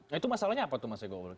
nah itu masalahnya apa tuh mas ego